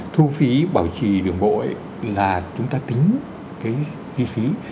thu phí bảo trì đường bộ là chúng ta tính cái chi phí